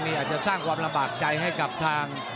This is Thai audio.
อาจจะสร้างความลำบากใจให้กับทาง